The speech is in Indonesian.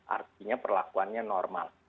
artinya perlakuannya normal